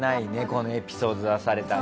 このエピソード出されたら。